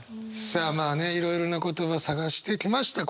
さあまあねいろいろな言葉探してきました